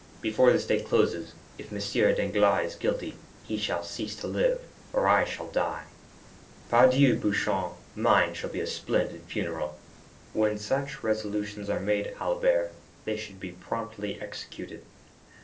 Before this day closes, if M. Danglars is guilty, he shall cease to live, or I shall die. Pardieu, Beauchamp, mine shall be a splendid funeral!" "When such resolutions are made, Albert, they should be promptly executed.